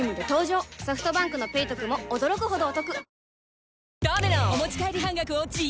ソフトバンクの「ペイトク」も驚くほどおトク